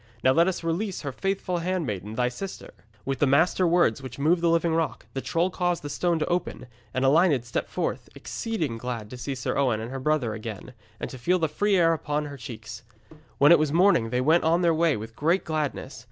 Now let us release her faithful handmaiden, thy sister.' With the master words which move the living rock, the troll caused the stone to open, and Elined stepped forth, exceeding glad to see Sir Owen and her brother again, and to feel the free air upon her cheeks. When it was morning they went on their way with great gladness.